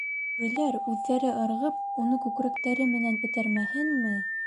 Бүреләр, үҙҙәре ырғып, уны күкрәктәре менән этәрмәһенме!